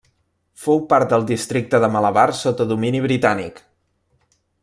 Fou part del districte de Malabar sota domini britànic.